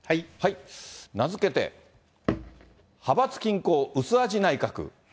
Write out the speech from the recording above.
名付けて、派閥均衡うす味内閣。